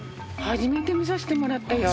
初めて見させてもらったよ。